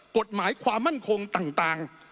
กฎหมายความมั่นคงต่าง